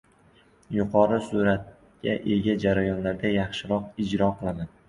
yuqori sur’atga ega jarayonlarda yaxshiroq ijro qilaman.